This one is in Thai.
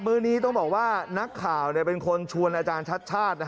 ื้อนี้ต้องบอกว่านักข่าวเป็นคนชวนอาจารย์ชัดชาติ